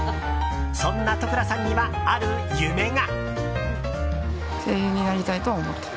そんな土倉さんには、ある夢が。